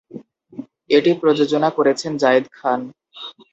এটি প্রযোজনা করেছেন জায়েদ খান।